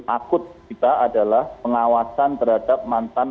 akut kita adalah pengawasan terhadap mantan